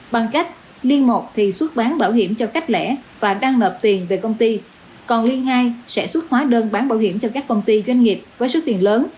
bằng cách liên mộc thì xuất bán bảo hiểm cho khách lẻ và đăng nợ tiền về công ty còn liên hai sẽ xuất hóa đơn bán bảo hiểm cho các công ty doanh nghiệp với số tiền lớn